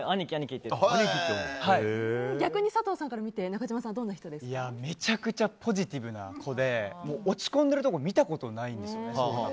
逆に佐藤さんから見て中島さんはめちゃくちゃポジティブな子で落ち込んでいるところ見たことないですね。